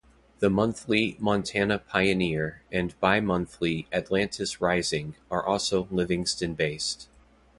The monthly "Montana Pioneer" and bimonthly "Atlantis Rising" are also Livingston-based.